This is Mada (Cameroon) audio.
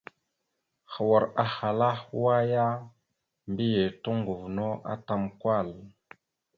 Hwar ahala hwa ya, mbiyez toŋgov no atam Kwal.